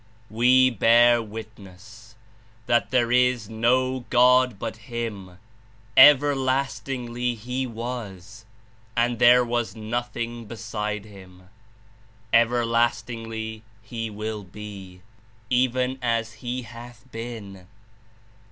"We bear witness that there is no God but Him; everlastingly He was, and there was nothing beside Him ; everlastingly He will be, even as He hath been.